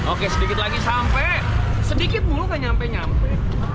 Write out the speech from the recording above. oke sedikit lagi sampai sedikit dulu kan nyampe nyampe